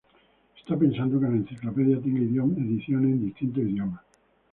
Está pensado que la enciclopedia tenga ediciones en distintos idiomas.